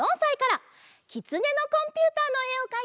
「きつねのコンピューター」のえをかいてくれました。